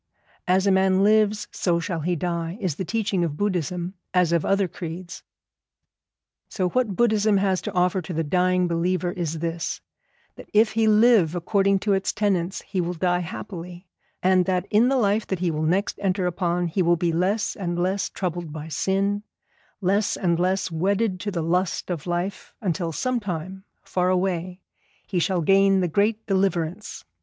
As a man lives so shall he die, is the teaching of Buddhism as of other creeds. So what Buddhism has to offer to the dying believer is this, that if he live according to its tenets he will die happily, and that in the life that he will next enter upon he will be less and less troubled by sin, less and less wedded to the lust of life, until sometime, far away, he shall gain the great Deliverance.